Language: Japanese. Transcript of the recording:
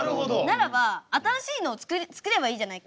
ならば新しいのを作ればいいじゃないか。